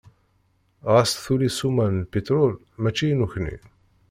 Ɣas tuli ssuma n lpitrul, mačči i nekni.